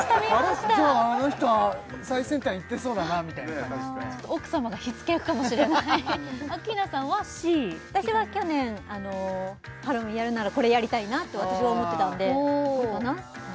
あの人は最先端いってそうだなみたいな奥様が火付け役かもしれないアッキーナさんはＣ私は去年ハロウィンやるならこれやりたいなと私は思ってたのでこれかな？